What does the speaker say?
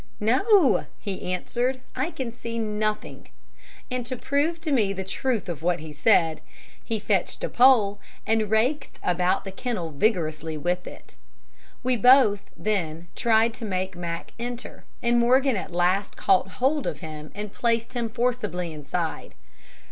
"No," he answered, "I can see nothing." And to prove to me the truth of what he said, he fetched a pole and raked about the kennel vigorously with it. We both, then, tried to make Mack enter, and Morgan at last caught hold of him and placed him forcibly inside.